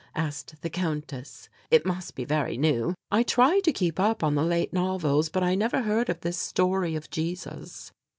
asked the Countess. "It must be very new. I try to keep up on the late novels but I never heard of this 'Story of Jesus.'"